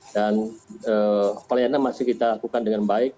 dan pelayanan masih kita lakukan dengan baik